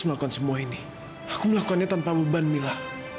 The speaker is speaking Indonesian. melakukan semua ini aku melakukannya tanpa beban mila